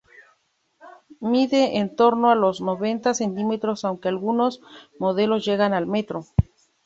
Mide en torno a los noventa centímetros aunque algunos modelos llegan al metro.